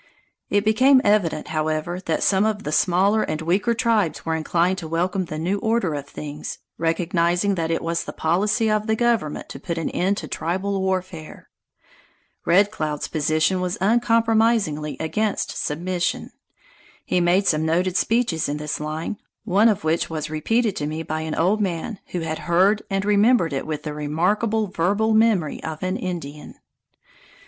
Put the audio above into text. It became evident, however, that some of the smaller and weaker tribes were inclined to welcome the new order of things, recognizing that it was the policy of the government to put an end to tribal warfare. Red Cloud's position was uncompromisingly against submission. He made some noted speeches in this line, one of which was repeated to me by an old man who had heard and remembered it with the remarkable verbal memory of an Indian.